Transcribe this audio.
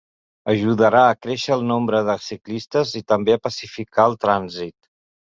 Ajudarà a créixer el nombre de ciclistes i també a pacificar el trànsit.